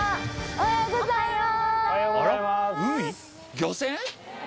おはようございます。